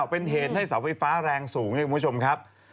เป็นเหตุให้เสาไฟฟ้าแรงสูงเนี่ยคุณผู้ชมครับ